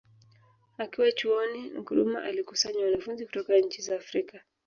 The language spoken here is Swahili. Akiwa Chuoni Nkrumah alikusanya wanafunzi kutoka nchi za Afrika